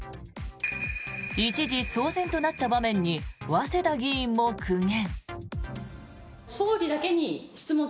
一時、騒然となった場面に早稲田議員も苦言。